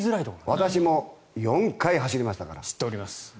私も４回走りましたから。